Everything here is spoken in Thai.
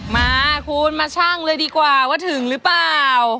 มาคุณมาชั่งเลยดีกว่าว่าถึงหรือเปล่า